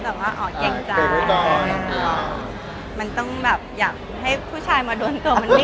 แต่ว่าอ๋อเก่งจ้ามันต้องแบบอยากให้ผู้ชายมาโดนตัวมันไม่